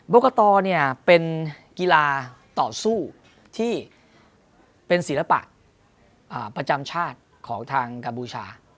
กรกตเป็นกีฬาต่อสู้ที่เป็นศิลปะประจำชาติของทางกัมพูชา